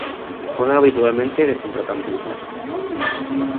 Juega habitualmente de centrocampista.